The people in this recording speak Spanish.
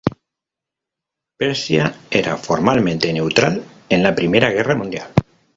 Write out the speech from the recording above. Persia era formalmente neutral en la Primera Guerra Mundial.